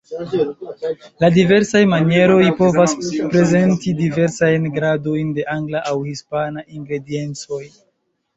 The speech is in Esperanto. La diversaj manieroj povas prezenti diversajn gradojn de angla aŭ hispana ingrediencoj.